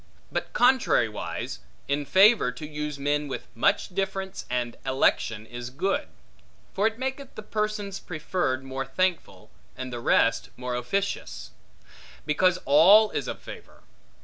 But contrariwise, in favor, to use men with much difference and election is good; for it maketh the persons preferred more thankful, and the rest more officious: because all is of favor.